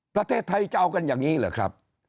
ประเทศไทยจะเอากันอย่างนี้เหรอครับ